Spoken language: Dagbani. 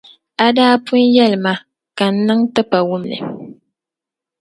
A daa pun yεli ma ka n niŋ tipawumli.